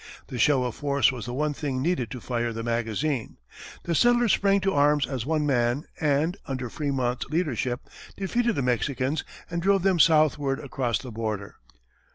The show of force was the one thing needed to fire the magazine; the settlers sprang to arms as one man, and, under Frémont's leadership, defeated the Mexicans and drove them southward across the border.